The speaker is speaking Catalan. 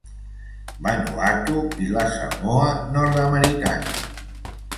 Vanuatu i la Samoa Nord-americana.